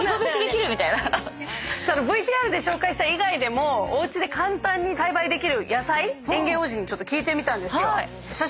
ＶＴＲで紹介した以外でもおうちで簡単に栽培できる野菜園芸王子に聞いてみたんですよ。